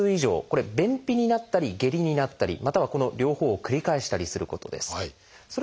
これは便秘になったり下痢になったりまたはこの両方を繰り返したりすることです。